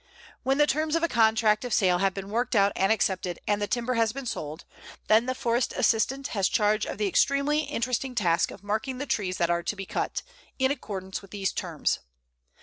When the terms of a contract of sale have been worked out and accepted and the timber has been sold, then the Forest Assistant has charge of the extremely interesting task of marking the trees that are to be cut, in accordance with these terms.